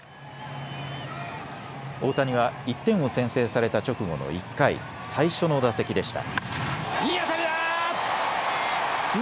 大谷は１点を先制された直後の１回、最初の打席でした。